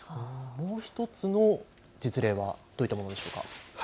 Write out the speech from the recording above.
もう１つの実例はどういったものでしょうか。